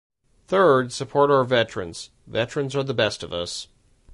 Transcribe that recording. Third, support our veterans. Veterans are the best of us.